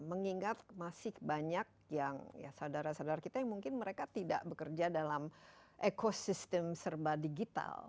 mengingat masih banyak yang ya saudara saudara kita yang mungkin mereka tidak bekerja dalam ekosistem serba digital